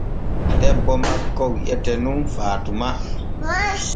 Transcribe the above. Debbo makko wi'etee nun fatuma.